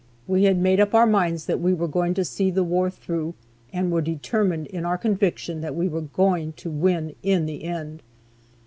We had made up our minds that we were out to see the war through, and were determined in our conviction that we were going to win in the end.